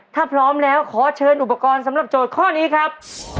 ถ้าพร้อมแล้วขอเชิญอุปกรณ์สำหรับโจทย์ข้อนี้ครับ